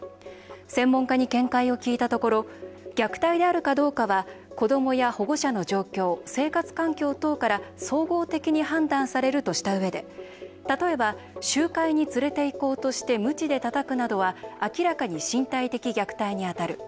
専門家に見解を聞いたところ虐待であるかどうかは子どもや保護者の状況生活環境等から総合的に判断されるとしたうえで例えば、集会に連れて行こうとしてむちでたたくなどは明らかに身体的虐待にあたる。